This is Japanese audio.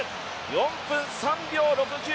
４分３秒６９。